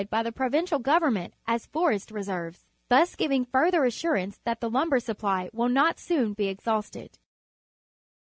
by the Provincial Government as forest reserves, thus giving fiu'ther assurance that the lumber supply will not soon be exhausted.